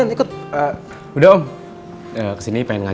waalaikum salam eh alam walai gresik engam